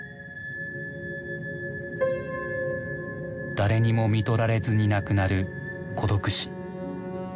誰にもみとられずに亡くなる孤独死。